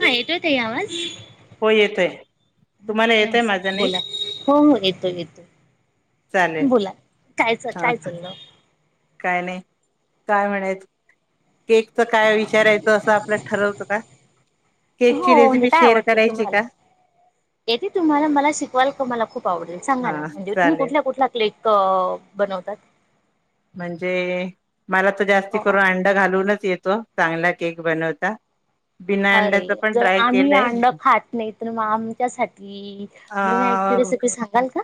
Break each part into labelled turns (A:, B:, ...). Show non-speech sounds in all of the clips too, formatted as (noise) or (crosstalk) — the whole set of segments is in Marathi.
A: हा येतो त आवाज
B: हो येतोय
A: हा
B: तुम्हाला येतोय माझं
A: नमस्कार
B: नाही
A: बोला हो हो येतो
B: चालेल
A: येतो बोला कायच
B: हा
A: काय ल ना
B: काय नाही काय म्हणत केकच काय विचारायचं असं आपलं ठरवतं का केकची
A: हो म्हणजे
B: रेसिपी
A: काय
B: शेअर
A: आवडतं
B: करायची का
A: तुम्हाला येते तुम्हाला मला शिकवाल का मला खूप
B: हा चालेल
A: अ बनवतात
B: म्हणजे मला तर जास्ती करून अंड घालूनच येत तो चांगला केक बनवता बिना
A: अरे
B: अंड्याच पण
A: जर
B: ट्राय
A: आम्ही
B: केलंय
A: अंड खात नाही तर मग आमच्यासाठी बिनायकची
B: अ
A: रेसिपी सांगाल का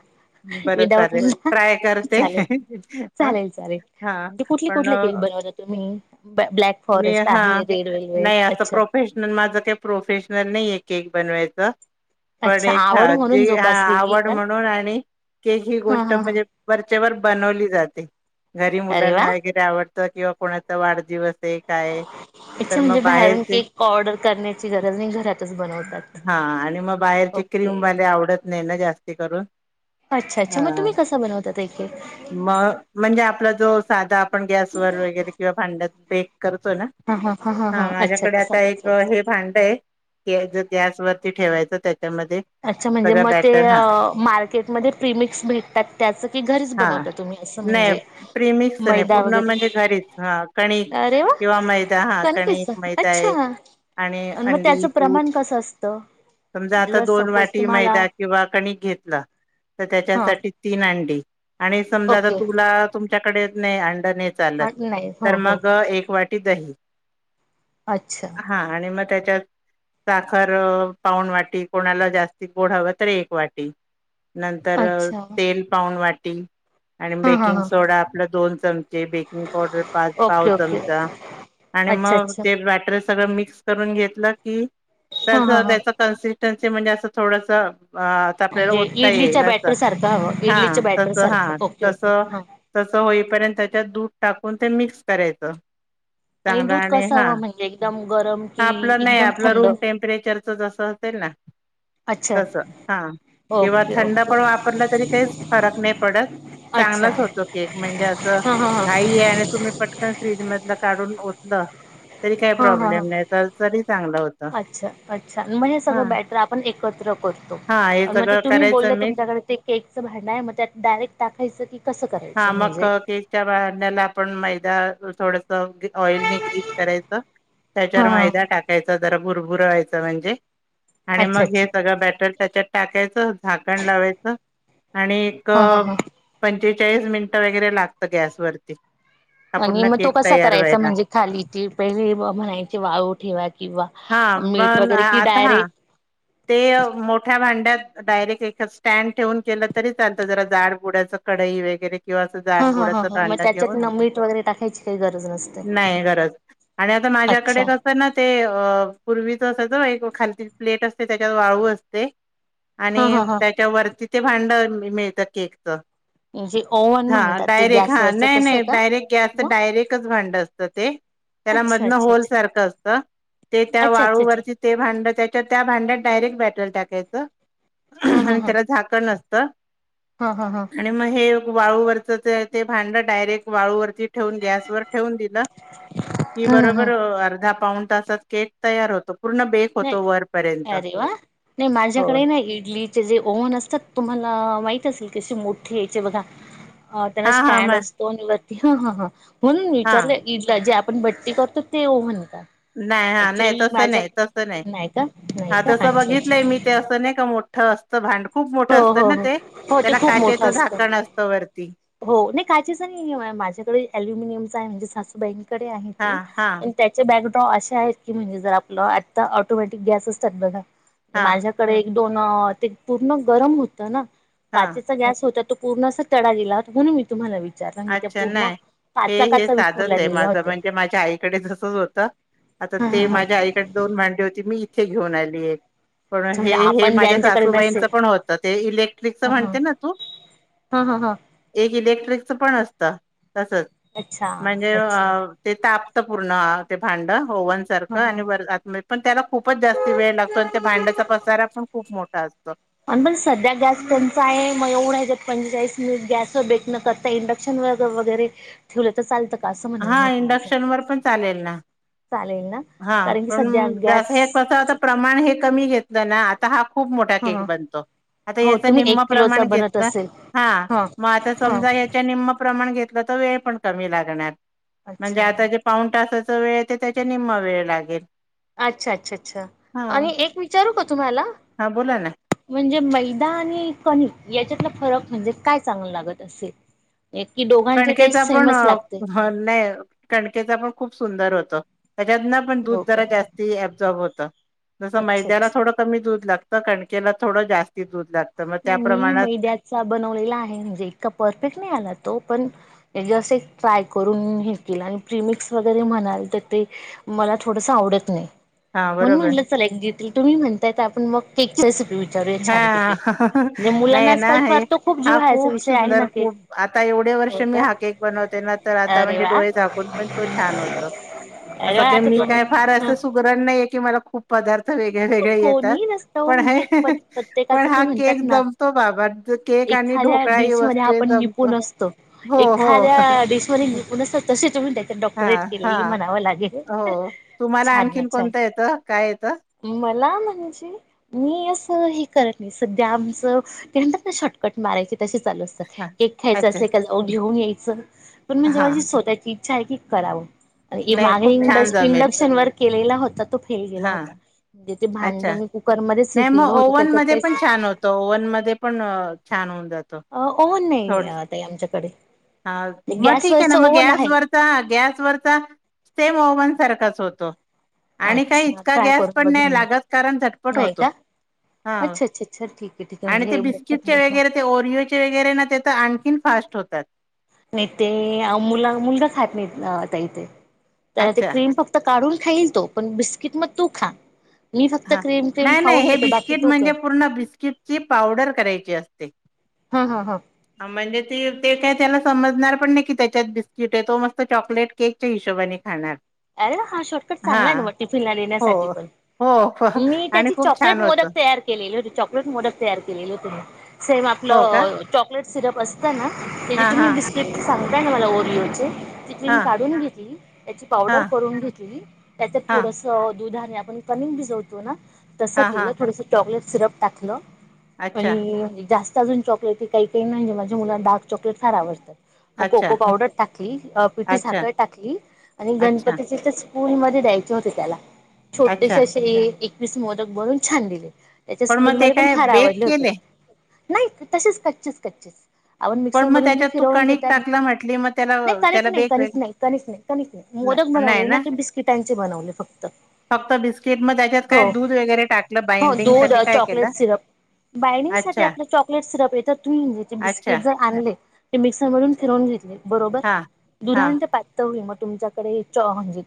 B: बरं
A: विदाउट
B: चालेल
A: अंडा
B: ट्राय करते
A: चालेल चालेल चालेल
B: हा पण
A: ह ब्लॅक
B: मी
A: फॉरेस्ट
B: हा
A: आहे
B: नाही
A: रेडवेलवेट
B: असं
A: अच्छा
B: प्रोफेशनल माझं काही प्रोफेशनल नाही आहे केक बनवायचा पण
A: अच्छा
B: एक ह
A: आवड म्हणून
B: जे
A: जोपासलेली
B: आवड
A: का?
B: म्हणून आणि केक ही
A: हा
B: गोष्ट
A: हा हा.
B: म्हणजे वरचेवरर बनवली जाते घरी
A: अरे वा
B: मुलांना वगैरे आवड किंवा कोणाचा वाढदिवस ते काय तर
A: अच्छा म्हणजे
B: मग
A: बाहेरून
B: बाहेरचे
A: केक ऑर्डर करण्याची गरज नाही घरातच बनवतात.
B: हा आणि मग बाहेरचे
A: ओके
B: क्रीमवाले आवडत नाही ना जास्ती करून
A: अच्छा अच्छा
B: हा
A: मग तुम्ही कसा बनवता ते केक?
B: म म्हणजे आपला जो साधा आपण गॅस व वगैरे किंवा भांड्यात बे करतो ना
A: हा हा
B: हा
A: अच्छा
B: माझ्याकडे
A: ते
B: आता एक
A: सांगायच
B: हे भांड आहे ज गॅस वरती ठेवायचं त्या
A: अच्छा म्हणजे मग ते मार्केटमध्ये प्रिमिक्स भेटतात त्याच की घरीच
B: हा
A: बनवता तुम्ही असं
B: नाही
A: म्हणजे
B: प्रिमिक्स नाही
A: मैदा
B: पूर्ण
A: वगैरे
B: म्हणजे घरीच हा कणिक
A: अरे
B: किंवा मैदा हा
A: वा
B: कणिक मैदा
A: अच्छा
B: आहे आणि
A: मग त्याच
B: अंडी दूध
A: प्रमाण कस असतण
B: समजा आता दोन वाटी मैदा किंवा कणिक घेतला तर
A: हा
B: त्याच्यासाठी अंडी आणि समजा आता
A: ओके
B: तुला तुमच्याकडे नाही नाही चालत
A: हां, नाही हो
B: तर
A: हो
B: मग वाटी दही
A: अच्छा
B: हा आणि मग त्याच्या त्यात साखर पाऊन वाटी कोणाला जास्ती गोड हव तर एक वाटी नंतर
A: अच्छा
B: तेल पाऊून वाटी ते आणि
A: हा हा
B: बेकिंग
A: हा
B: सोडा आपला दोन चमचे बेकिंग पावडर पाच पाव
A: ओके ओके
B: चमचे आणि
A: अच्छा
B: मग
A: अच्छा
B: ते बॅटर सगळं मिक्स करून घेतला की
A: हा
B: त्याच
A: हा हा
B: त्याचा कन्सेप्ट म्हणजे असं थोडस अ आता आपल्याला
A: म्हणजे
B: ओतता
A: इडलीच्या
B: येईल अस
A: बॅटर सारखं हवं
B: हा
A: इडलीच्या बॅटर
B: तस हा
A: सारखं ओके
B: तस
A: ओके हा
B: तस होईपर्यंतच्या दूध टाकून ते मिक्स करायचं चांगला
A: दूध
B: आणि
A: कसं
B: हा
A: हवं म्हणजे एकदम गरम
B: हा
A: कि
B: आपलं नाही
A: एकदम
B: आपला
A: थंड
B: रूम टेम्परेचरच जस तर ना.
A: अच्छा
B: तस हा किंवा
A: ओके
B: थंड
A: ओके
B: पण वापरलं तरी काही फरक नाही पडत
A: अच्छा
B: चांगलाच होतो, केक म्हणजे अस
A: हा हा हा
B: घाई आहे, आणि तुम्ही पटकन फ्रीजमधल. ओतला
A: हा ह ह
B: चांगलं होतं
A: अच्छा अच्छा मग हे
B: हा
A: सगळं बॅटर आपण एकत्र करतो,
B: हा हे
A: मग ते
B: सगळं
A: तुम्ही
B: करायचं
A: बोलले
B: मिक्स
A: तुमच्याकडे ते केकचं भांड आहे, मग त्यात डायरेक्ट टाकायचं की, कसं
B: हा
A: करायचं
B: मग
A: म्हणजे.
B: केकच्या ह ऑइल ने ग्रीप करायच त्याच्यावर
A: हा
B: मैदा टाकायचं जरा. बुरबुरवायचं म्हणजे. आणि
A: अच्छा
B: मग हे
A: अच्छा
B: सगळं बॅटर. त्याच्यात टाकायचं झाकण लावायचं. आणि एक
A: हा हा
B: पन
A: हा
B: पंचेचाळीस मिनिटं वगैरे लागतं गॅस वरती.
A: आणि म तो कसा. करायचा म्हणजे खाली ती पहिले म्हणायचे वाळू ठेवाची.
B: हा पण आता हा. ते मोठ्या भांड्यात डायरेक्ट एक स्टँड ठेवून केलं तरी चालतं जरा जाडबुडाच कढई वगैरे. किंवा अस
A: हा
B: जाड
A: हा हा
B: बुडाचं
A: हा मग
B: भांड
A: त्याच्यात
B: घेऊन
A: न मीठ वगैरे टाकायची काही गरज नसते.
B: नाही गरज आणि आता
A: अच्छा.
B: माझ्याकडे कस ना ते अ पूर्वीच अस हो एक खालती प्लेट अस ते त्याच्यात वाळू असते.
A: हा
B: आणि
A: हा हा
B: त्याच्यावरती ते. भांड मिळतं केक च.
A: म्हणजे ओव्हन
B: हा
A: म्हणतात ते
B: डायरेक्ट हा
A: गॅसवरच
B: नाही
A: तसं
B: नाही
A: का?
B: डायरेक्ट गॅसच
A: मग
B: डायरेक्टच भांड असत, ते त्याला
A: अच्छा
B: मधन
A: अच्छा
B: होल
A: अच्छा
B: सारख असत ते त्या
A: अच्छा अच्छा अच्छा.
B: वाळूवरती ते भांड त्याच्या त्या डायरेक्ट बॅटर टाकायचं.
A: हा हा
B: आणि
A: हा
B: त्याला झाकण असत. त.
A: हा हा हा
B: आणि म हे वाळूवर. त ते ते भांड डायरेक्ट वाळूवरती ठेवून गॅसवर ठेवून दिलं कि
A: हा हा
B: बरोबर
A: हा
B: अर्धा पाऊण तासात केक तयार होतो. पूर्ण बेक
A: नाही
B: होतो वर.
A: अरे वा नाही माझ्याकडे ना इडलीचे जे ओवन असतात तुम्हाला माहित असेल. तसे मोठे यायचे बघा. अ त्यांला
B: हा हा
A: स्टँड
B: म
A: असतो आणि वर. ते हा- हा- हा म्हणून मी
B: हा
A: विचारलं ईड ला जे आप आपण भट्टी करतो ते ओव्हन का?
B: नाय हा नाय
A: ऍक्च्युली
B: तस
A: माझ्या
B: नाही तस नाय-
A: नाही का नाही
B: हा
A: का
B: तस
A: अच्छा
B: बघितलंय मी
A: अच्छा
B: ते असं नाही का मोठं अस त भांड खूप मोठं
A: हो- हो
B: असतं ना
A: -हो-
B: ते
A: हो ते
B: त्याला
A: (inaudible) खूप मोठ
B: काचेचं
A: असत
B: झाकण असतं वरती
A: हो नाही काचेच नाहीय माझ्याकडे अल्युमिनियमचा आहे म्हणजे सासू (unintelligible) कडे आहे
B: हा
A: ते
B: हा
A: पण त्याचे आता अशे आहेत की म्हणजे जर आपलं आता ऑटोमॅटिक गॅस असतात बघा
B: हा
A: माझ्याकडे एक दोन.. ते (unintelligible) मग गरम होतं ना?
B: हा
A: काचेचा गॅस होता तो पूर्ण असा तडा गेला म्हणून मी तुम्हाला विच
B: अच्छा नाही हे -हे साधत
A: विखुरल्या
B: आहे माझ
A: गेल्या होत्या
B: म्हणजे माझ्या आईकडे जसच होत आता
A: हा हा
B: ते
A: हा
B: माझ्या आईकडे दोन भांडी होती मी इथे घेऊन आली एक पण
A: अच्छा म्हणजे
B: हे -हे
A: आपण
B: माझ्या
A: ज्यांच्याकडे
B: सासूबाईंच
A: नसेल
B: पण होत ते इलेक्ट्रिकच
A: ह ह
B: म्हणते ना तू
A: हा हा हा
B: एक इलेक्ट्रिक च पण असत तसच
A: अच्छा अच्छा
B: म्हणजे ताप पूर्ण ते भांड ओवन
A: हा
B: सारखं
A: हा
B: आणि व -पण त्याला खूपच जास्त वेळ लागतो आणि त्या भांड्याचा पसारा पण खूप मोठा त्यात (unintelligible)
A: अ पण (inaudible) सध्या गॅस टंचाई आहे मग एवढायच्या पंचेचाळीस मिनिट गॅस व बेक न करता इंडक्शन व वगैरे ठेवलं तर चालतं का असं म्हणणं
B: हा
A: होतं माझं
B: इंडक्शन वर पण चालेल ना
A: चालेल ना
B: हा
A: कारण की
B: पण
A: सध्या
B: जस हे
A: गॅस
B: कस आता प्रमाण हे कमी घेत घेतलं ना आता हा खूप मोठा केक
A: हा
B: बनतो आता
A: हो
B: याच
A: तुम्ही एक
B: निम्म
A: किलोचा
B: प्रमाण
A: बनत
B: घेतलं
A: असेल
B: हा.. मग आता
A: हा
B: समजा याच्या निम्म प्रमाण घेतलं तर वेळ पण कमी लागणार म्हणजे
A: अच्छा
B: आता जे पाऊन तास ते वेळेत येतायत तर निम्मा वेळ लागेल
A: अच्छा -अच्छा- अच्छा
B: हा
A: आणि एक विचारू का तुम्हाला?
B: हा बोला ना.
A: म्हणजे म मैदा आणि कणिक याच्यातला फरक म्हणजे काय चांगल लागत असेल? की दोघांची
B: कणकेचा
A: टेस्ट
B: पण
A: सेमच लागते
B: नाही. कणकेचा पण खूप सुंदर होत. त्याच्यातन पण दूध
A: हो
B: जरा
A: का
B: जास्ती अॅझॉर्बॅब होत तर जसं
A: अच्छा
B: मैद्याला
A: अच्छा
B: थोडं कमी दूध लागत. कणकेला थोडं जास्तीत दूध लागत.
A: नाही मी मैद्याचा बनवलेला आहे म्हणजे इतका परफेक्ट नाही आला तो पण जसं एक ट्राय करून हे केलं आणि प्रिमिक्स वगैरे म्हणाल तर ते मला थोडस आवडत नाही.
B: हा
A: म्हणून
B: बरोबर
A: म्हटलं चला एकतील तुम्ही म्हणतायेत आपण मग केकच करूया छान
B: हा
A: पैकी
B: नाही ना आहे. हा खूप
A: विषय आहे
B: सुंदर
A: ना केक
B: खूप आता एवढे वर्ष
A: हो
B: मी
A: का
B: हा केक बनवते ना तर आता
A: अरे
B: म्हणजे
A: वा
B: डोळे झाकून पण तो छान होतो.
A: अरे वा
B: असं
A: आता
B: मी पण काय फार
A: तुम्ही
B: असं सुगरण नाहीे की मला खूप पदार्थ वेगळे वेगळे येतात पण हे,
A: प्रत्येकाच
B: पण हा
A: तूम्ही म्हणतात
B: केक
A: ना
B: जमतो बाबा केक आणि
A: एखाद्या
B: ढोकळा ही
A: डिश मध्ये
B: वस्तू हे
A: आपण
B: जमतो.
A: निपून असतो
B: हो हो
A: एखाद्या डिश मध्ये निपून असतात तसे तू म्हणता
B: हा
A: डॉक्टरेट केले
B: हा
A: म्हणावं लागेल
B: हो तुम्हाला
A: छान ना
B: आणखीन
A: छान.
B: कोणतं येतं काय येतं
A: मला म्हणजे मी अस हे करत नाही सध्या आमचं ते म्हणतात ना शॉर्टकट मारायचे. तसे चालू असतात
B: हा
A: केक खायचं
B: अच्छा
A: असले का घेऊन ये. सर पण मग
B: हा
A: जेव्हा मी शोधायची ईच्छा आहे की करावं.
B: नाही
A: मागे
B: खूप
A: इंड
B: छान जमेल
A: इंडक्शन वर केलेला होता तो फेल गेला
B: हा
A: होता. म्हणजे ते भांड
B: अच्छा
A: मी कुकरमध्येच हे
B: नाही
A: केलं
B: मग
A: होतं
B: ओव्हन
A: त्याच्यात
B: मध्ये
A: काहीच
B: पण छान होतं ओव्हन मध्ये पण छान होवून जातो.
A: ओव्हन
B: सोड
A: नाही ताई आमच्याकडे.
B: हा मग ठीक आहे
A: गॅसवरच
B: ना मग
A: ओव्हन
B: गॅस
A: आहे
B: वरचा गॅस वरचा सेम ओवन सारखाच होतो. आणि काही
A: अच्छा
B: इतका
A: ट्राय
B: गॅस
A: करून
B: पण नाही
A: बघेन मी
B: लागत. कारण झटपट
A: नाही
B: होतो
A: का अच्छा अच्छा अच्छा ठीक आहे ठीक आहे
B: आणि
A: म्हणजे
B: ते
A: हे खूप
B: बिस्किटचे
A: मोठं
B: वगैरे ओरिओचे वगैरे आणखी फास्ट होतात.
A: नाही ते मुला मुलगा खात नाही ताई ते तर ते
B: अच्छा
A: क्रीम फक्त काढून खाईल तो पण बिस्किट मग तू खा. मी फक्त क्रीम क्रीम
B: नाही नाही
A: खाऊन
B: हे
A: घेतो बाकी
B: बिस्कीट
A: तू कर
B: म्हणजे पूर्ण बिस्कीटची पावडर करायची असते
A: हा हा हा
B: म्हणजे ते ते काय त्याला समजणार पण नाही की त्याच्यात बिस्किट आहे तो मस्त चॉकलेट केकच्या हिशोबाने खाणार
A: अरे हा शॉर्टकट
B: हा
A: चांगला आहे ना मग टिफिनला
B: हो
A: नेण्यासाठी पण
B: हो हो
A: मी
B: आणि
A: त्याची
B: खूप
A: चॉकलेट
B: छान होतं
A: मोदक तयार केलेली होती चॉकलेट मोदक तयार केलेली होती मी सेम
B: हो का
A: आपलं चॉकलेट सिरप असते ना त्या
B: हां
A: तु्ही
B: हां
A: बिस्क सांगताय ना मला ओरिओ चे चिकली
B: हां
A: काढून घेतली त्याची
B: हां
A: पावडर करून घेतली त्याच्यात
B: हां
A: थोडंसं दुधाने आपण कमी भिजवतो ना तसं
B: हां हां
A: केलं थोडसं चॉकलेट सिरप टाकलं
B: अच्छा
A: आणि जास्त अजून चॉकलेटी काही म्हणजे मुलाला चॉकलेट फार आवडत मग
B: अच्छा
A: कोको पावडर टाकली पिठी
B: अच्छा
A: साखळ टाकली
B: अच्छा
A: गणपतीची पुरीमध्ये द्यायचे होते त्याला
B: अच्छा
A: छोटेसे असे वीस मोदक बनून छान दिले त्याच्या
B: पण मग ते
A: स्कूलमध्ये
B: काय
A: फार
B: बेक
A: आवडले होते.
B: केले
A: नाही तसेच कच्चेच कच्चेच आपण मिक्सर
B: पण मग
A: मधून जे
B: त्याच्यात तू
A: फिरवून
B: कणिक
A: घेतात
B: टाकलं म्हटली मग त्याला
A: नाही कनिक
B: त्याला
A: नाही
B: बेक वेग
A: कनिक नाही कनिक नाही कनिक नाही मोदक बनवले ना ते बिस्किटांचे बनवले फक्त
B: फक्त बिस्किट मग त्याच्यात
A: हो
B: काय दूध वगैरे टाकलं
A: हो
B: बाइंडिंग
A: दूध
B: साठी काय
A: चॉकलेट
B: केलं
A: सिरप बायणींगसाठी
B: अच्छा
A: आपलं चॉकलेट सिरप येत तुम्ही म्हज
B: अच्छा
A: बिस्किट आणले ते मिक्सर मधून फिरवून घेतले बरोबर
B: हां हां
A: दुधांत पातई मग तुमचा कडे च हांज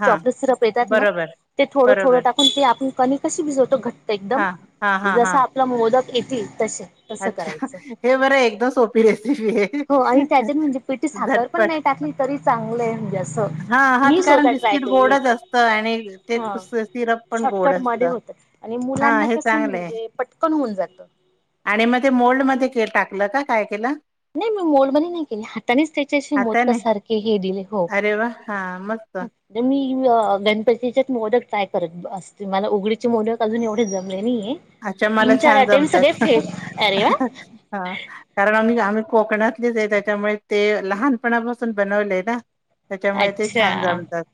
B: हां
A: सिरप येतात ना
B: बरोबर
A: ते थोडं थोडं
B: बरोबर
A: टाकून ते आपण कमी कशी भिजवत घटघट एकदम
B: हां हां हां
A: जस
B: हां
A: आपलं मोदक येती तसे तसं
B: अच्छा
A: करायचं
B: हे बरं एकदम सोपी रेसिपी आहे
A: हो आणि त्याच्यात म्हणजे पिठी साखर पण
B: झटपट
A: नाही टाकली तरी चांगलं आहे म्हणजे असं
B: हा हा ते
A: मी
B: कारण
A: स्वतः ट्राय
B: बिस्किट
A: केलेले
B: गोडच असतं आणि ते
A: हा
B: सिरप पण गोड
A: शॉर्टकट
B: असत
A: मध्ये होत आणि
B: हा
A: मुलांना
B: हे
A: कसं
B: चांगलं आहे
A: म्हणजे पटकन होऊन जातं
B: आणि मग ते मोल्डमध्ये ते टाकलं का काय केलं
A: नाही मी मोलमनी नाही केली त्यांनीच हातानेच त्याचे अशी मोदका
B: हाताने
A: सारखे हे दिले हो
B: अरे वा! हां मस्त.
A: मी गणपतीच्याच मोदक ट्राय करत असते मला उघडीचे मोदक अजून एवढेच जमले नाही
B: अच्छा मला छान जमतात
A: अरे वा
B: हा कारण आम्ही आम् कोकणातलीच आहे त्याच्यामुळे ते लहानपणापासून बनवलेय ना त्याच्यामुळे ते
A: अच्छा
B: छान जमतात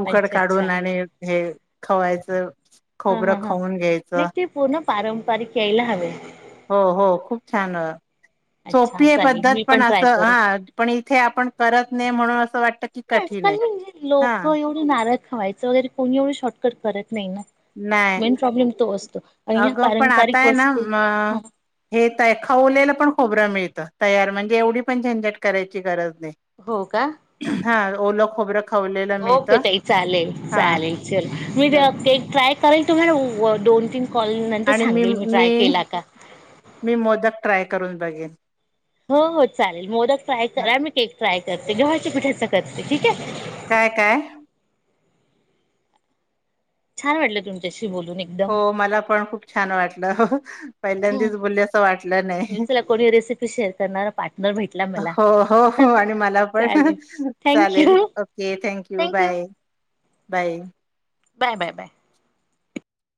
B: उकड
A: अच्छा अच्छा
B: काढून आणि हे खवायचं.
A: हा
B: खोबरं
A: हा हा
B: खवून घ्यायच.
A: नाही ते पूर्ण पारंपरिक यायला हवे.
B: हो हो खूप छान.
A: अच्छा
B: सोपी आहे
A: चालेल
B: पद्धत
A: मी
B: पण
A: ट्राय
B: असं
A: करेल.
B: हा पण इथे आपण करत नाही म्हणून असं वाटत की कठीण आहे हा.
A: खवायचं वगैर कोण एवढं शॉर्ट करत नाही ना
B: नाही
A: मेन प्रॉब्लेम तो असतो. आणि ह्या
B: अगं पण आता
A: पारंपरिक
B: आहे ना
A: वस्तू
B: हे ते खवलेलं पण खोब खोबरं मिळत तयार म्हणजे एवढी पण झंझट करायची गरज नाही
A: हो का?
B: हा ओल खोबरं खवलेलं
A: ओके
B: मिळतं
A: त‌ई चालेल
B: हा
A: चालेल चल मी ते
B: तर
A: केक ट्राय करायन तुम्हाला दोन तीन कॉल नंतर
B: आणि मी
A: सांगेल
B: मी
A: ट्राय केला का
B: मी मोदक ट्राय करून बघेन.
A: हो हो चालेल मोदक ट्राय
B: हा
A: करा आमही केक ट्राय करते गव्हाच्या पिठाचा करते ठीक आहे
B: काय काय
A: छान वाटलं तुमच्याशी बोलून एकदम
B: हो मला पण खूप छान वाटलं
A: हम्म,
B: पहिल्यांदीच बोलले असं वाटलं नाही
A: चला कोणी रेसिपी शेअर करणारा पार्टनर भेटला मला
B: हो हो हो आणि मला पण
A: चालेल थँक
B: चालेल
A: you
B: okay thank you
A: thank you
B: bye. Bye.
A: Bye bye bye.